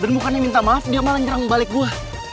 dan mukanya minta maaf dia malah nyerang balik gue